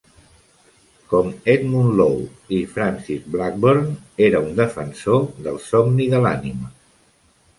Com Edmund Law i Francis Blackburne, era un defensor del somni de l'ànima.